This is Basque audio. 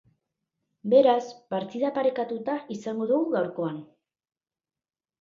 Beraz, partida parekatuta izango dugu gaurkoan.